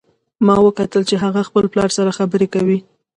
ما وکتل چې هغه خپل پلار سره خبرې کوي